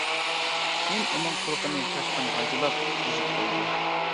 كېيىن ئۇنىڭ قۇلىقىنى چاشقان غاجىلاپ بۇزۇپ قويىدۇ.